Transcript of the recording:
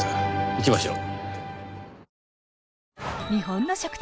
行きましょう。